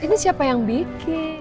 ini siapa yang bikin